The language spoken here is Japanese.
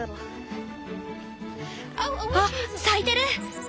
あっ咲いてる！